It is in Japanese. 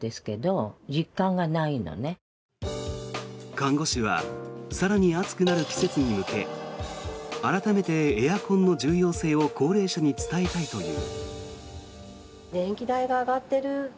看護士は更に暑くなる季節に向け改めてエアコンの重要性を高齢者に伝えたいという。